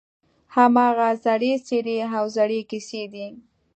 هماغه زړې څېرې او زړې کیسې دي.